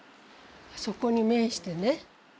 そこに面してね。